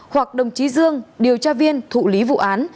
hoặc đồng chí dương điều tra viên thụ lý vụ án